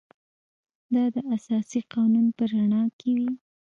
دا د اساسي قانون په رڼا کې وي.